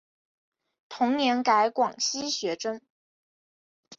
同年改广西学政。